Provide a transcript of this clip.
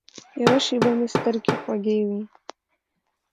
یوه شېبه مې سترګې خوږې وې.